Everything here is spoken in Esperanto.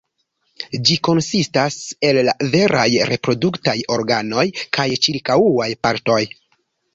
Ĝi konsistas el la veraj reproduktaj organoj kaj ĉirkaŭaj partoj.